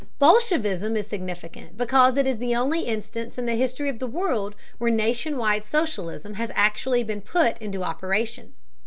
Bolshevism is significant because it is the only instance in the history of the world where nation wide socialism has actually been put into operation.